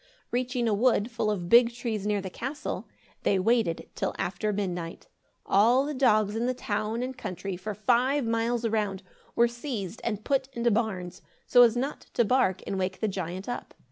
Reaching a wood full of big trees near the castle, they waited till after midnight. All the dogs in the town and country, for five miles around, were seized and put into barns, so as not to bark and wake the giant up.